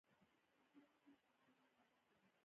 ښارونه د افغانستان د صادراتو یوه برخه ده.